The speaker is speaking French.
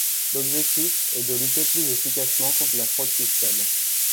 L'objectif est de lutter plus efficacement contre la fraude fiscale.